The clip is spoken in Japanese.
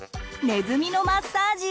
「ネズミのマッサージ」。